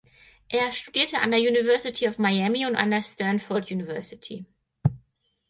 Er studierte an der University of Miami und an der Stanford University.